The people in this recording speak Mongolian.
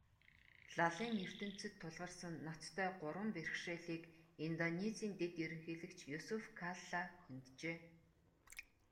Лалын ертөнцөд тулгарсан ноцтой гурван бэрхшээлийг Индонезийн дэд ерөнхийлөгч Юсуф Калла хөнджээ.